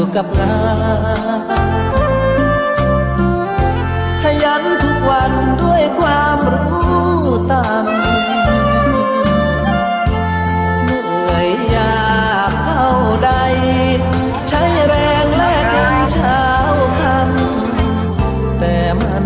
ขอบคุณครับ